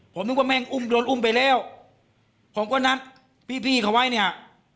ผมนึกว่าแม่งอุ้มโดนอุ้มไปแล้วผมก็นัดพี่พี่เขาไว้เนี่ย